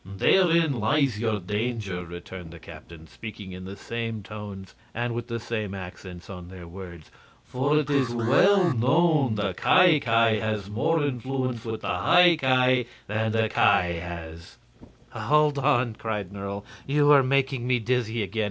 "Therein lies your danger," returned the captains, speaking in the same tones and with the same accents on their words. "For it is well known the Ki Ki has more influence with the High Ki than the Ki has." "Hold on!" cried Nerle; "you are making me dizzy again.